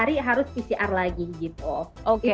tapi harus pcr lagi gitu